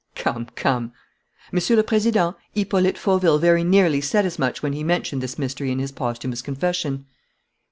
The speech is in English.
"Come, come!" "Monsieur le Président, Hippolyte Fauville very nearly said as much when he mentioned this mystery in his posthumous confession."